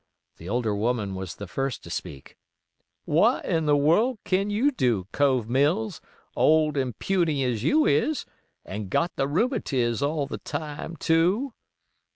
The older woman was the first to speak. "What in the worl' ken you do, Cove Mills, ole an' puny as you is, an' got the rheumatiz all the time, too?"